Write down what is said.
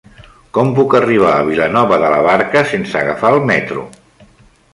Com puc arribar a Vilanova de la Barca sense agafar el metro?